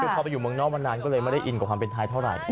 คือพอไปอยู่เมืองนอกมานานก็เลยไม่ได้อินกับความเป็นไทยเท่าไหร่